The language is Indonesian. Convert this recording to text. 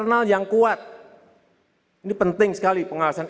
sudah kata saya dikira kira saya hanya menggunakan eta